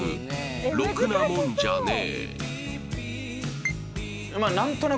「ろくなもんじゃねえ」